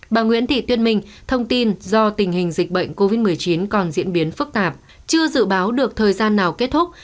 bà nguyễn thị tuyết minh thông tin do tình hình dịch bệnh covid một mươi chín còn diễn biến phức tạp chưa dự báo được thời gian nào kết thúc